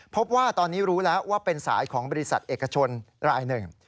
พบว่าตอนนี้รู้แล้วว่าเป็นสายของบริษัทเอกชนรายหนึ่ง